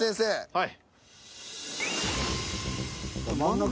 はい。